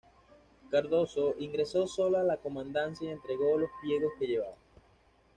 Cardoso ingresó solo a la comandancia y entregó los pliegos que llevaba.